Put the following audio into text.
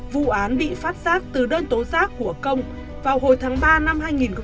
vụ án bị phát giác từ đơn tố giác của công vào hồi tháng ba năm hai nghìn một mươi bảy